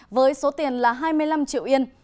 với số tiền là hai mươi năm triệu yên